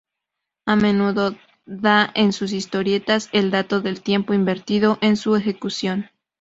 A menudo da en sus historietas el dato del tiempo invertido en su ejecución.